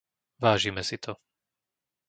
Vážime si to.